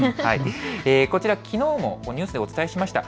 こちら、きのうもニュースでお伝えしました。